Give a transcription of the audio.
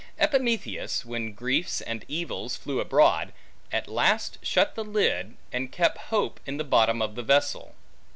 Epimetheus, when griefs and evils flew abroad, at last shut the lid, and kept hope in the bottom of the vessel.